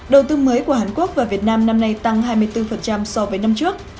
đầu tư mới của hàn quốc vào việt nam năm nay tăng hai mươi bốn so với năm trước